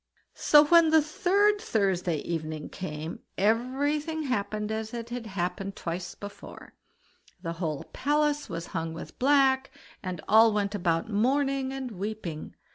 So when the third Thursday evening came, everything happened as it had happened twice before; the whole palace was hung with black, and all went about mourning and weeping.